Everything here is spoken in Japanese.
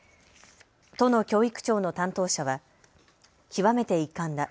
都の教育庁の担当者は極めて遺憾だ。